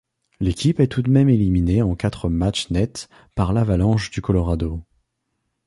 L'équipe est tout de même éliminée en quatre matchs nets par l'Avalanche du Colorado.